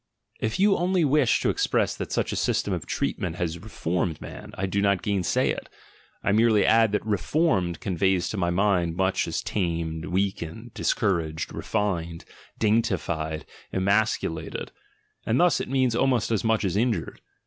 If you only wish to express that such a system of treatment has reformed man, I do not gain say it: I merely add that "reformed" conveys to my mind much as "tamed," "weakened," "discouraged," "refined," daintified," "emasculated" (and thus it means almost as much as injured).